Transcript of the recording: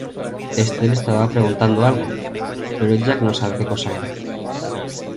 Este le estaba preguntando algo, pero Jack no sabe que cosa era.